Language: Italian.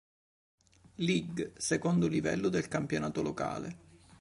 Lig, secondo livello del campionato locale.